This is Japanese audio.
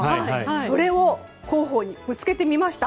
それを広報にぶつけてみました。